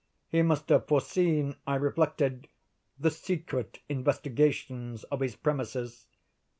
He must have foreseen, I reflected, the secret investigations of his premises.